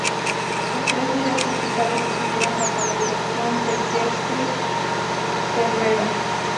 Los tres videos musicales estuvieron bajo la dirección de Jessy Terrero.